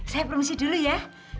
saya permisi dulu ya